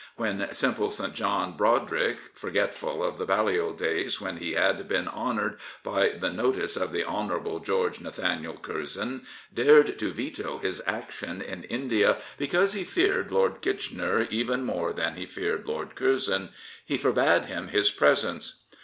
When simple St. John Brodrick, forgetful of the Balliol days when he had been honoured by the notice of the Honourable George Nathaniel Curzon, dared to veto his action in India because he feared Lord Kitchener even more than he feared Lord Curzon, he forbade him his presence.